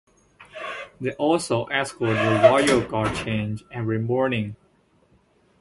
They also escort the Royal Guard change every morning.